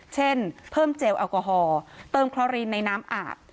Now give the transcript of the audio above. เช่นเพิ่มเจลแอลกอฮอลเติมคลอรีนในน้ำอาบ